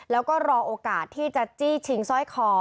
แล้วก็รอโอกาสที่จะจี้ชิงสร้อยคอ